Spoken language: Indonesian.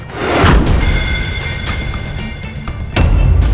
sehingga elsa bisa dibebaskan